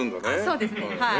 そうですねはい。